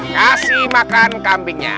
kasih makan kambingnya